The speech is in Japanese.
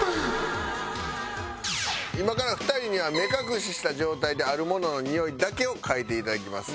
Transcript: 今から２人には目隠しした状態であるものの匂いだけを嗅いでいただきます。